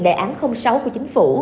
đề án sáu của chính phủ